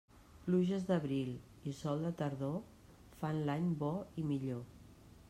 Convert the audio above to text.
Pluges d'abril i sol de tardor fan l'any bo i millor.